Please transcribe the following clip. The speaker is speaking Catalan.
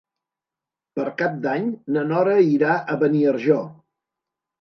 Per Cap d'Any na Nora irà a Beniarjó.